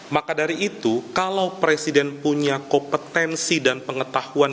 maka dari itu kalau presiden punya kompetensi dan pengetahuan